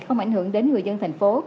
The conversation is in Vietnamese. không ảnh hưởng đến người dân thành phố